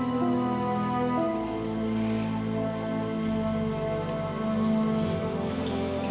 aku mau nyantai aku mau nyantai